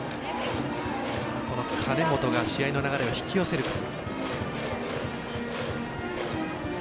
金本が試合の流れを引き寄せるか。